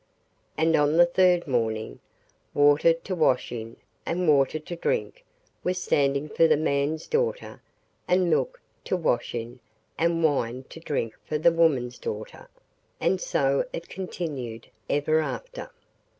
And on the third morning, water to wash in and water to drink was standing for the man's daughter, and milk to wash in and wine to drink for the woman's daughter; and so it continued ever after.